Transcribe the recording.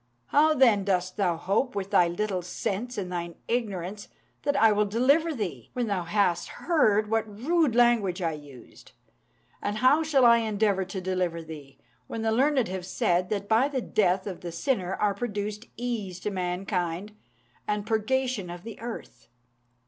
How, then, dost thou hope, with thy little sense and thine ignorance, that I will deliver thee, when thou hast heard what rude language I used? And how shall I endeavour to deliver thee, when the learned have said that by the death of the sinner are produced ease to mankind and purgation of the earth?